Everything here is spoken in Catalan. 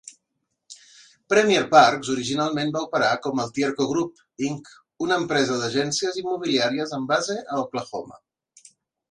Premier Parks originalment va operar com al Tierco Group, Inc., una empresa d'agències immobiliàries amb base a Oklahoma.